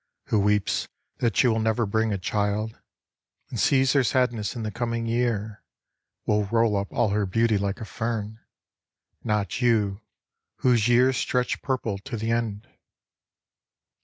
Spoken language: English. Who weeps that she will never bring a child, And sees her sadness in the coming year, Will roll up all her beauty like a fern ; Not you, whose years stretch purple to the end.'